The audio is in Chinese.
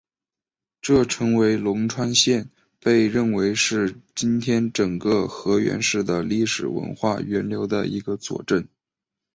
这成为龙川县被认为是今天整个河源市的历史文化源流的一个佐证。